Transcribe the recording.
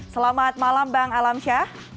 selamat malam bang alamsyah